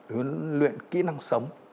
hướng luyện kỹ năng sống